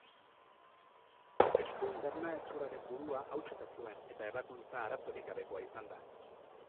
Eskuin bernahezurraren burua hautsita zuen eta ebakuntza arazorik gabekoa izan da.